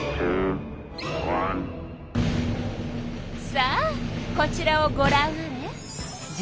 さあこちらをごらんあれ！